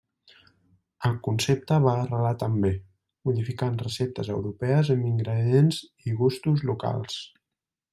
El concepte va arrelar també, modificant receptes europees amb ingredients i gustos locals.